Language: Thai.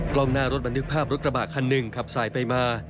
กล้องหน้ารถบันทึกภาพรถกระบะคันหนึ่งขับสายไปมา